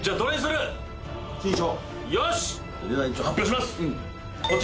よし。